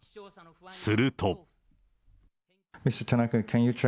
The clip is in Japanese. すると。